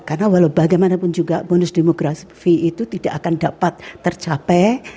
karena walaubagaimanapun juga bonus demografi itu tidak akan dapat tercapai